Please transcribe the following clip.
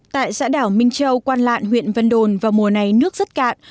tại xã đảo minh châu quan lạng huyện vân đồn vào mùa này nước rất cạn